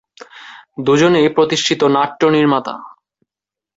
দুজনেই প্রতিষ্ঠিত নাট্য নির্মাতা।